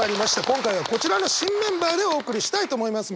今回はこちらの新メンバーでお送りしたいと思います。